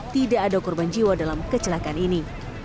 tidak ada korban jiwa dalam kecelakaan ini